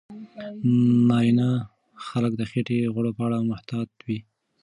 ناروینه خلک د خېټې د غوړو په اړه محتاط وي.